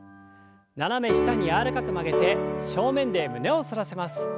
斜め下に柔らかく曲げて正面で胸を反らせます。